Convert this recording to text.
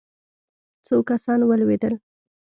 څو کسان ولوېدل.